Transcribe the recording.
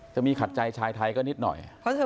จะมีขัดใจชายไทยก็นิดหน่อย